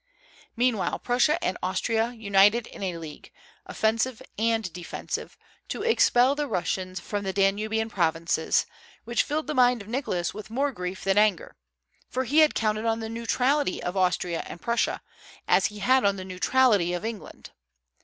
Meanwhile Prussia and Austria united in a league, offensive and defensive, to expel the Russians from the Danubian provinces, which filled the mind of Nicholas with more grief than anger; for he had counted on the neutrality of Austria and Prussia, as he had on the neutrality of England.